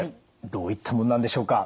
どういったものなんでしょうか。